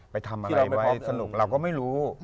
ไปทำอะไรไว้สนุกเราก็ไม่รู้